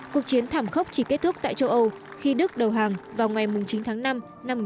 cuộc chiến thảm khốc chỉ kết thúc tại châu âu khi đức đầu hàng vào ngày chín tháng năm năm một nghìn chín trăm bốn mươi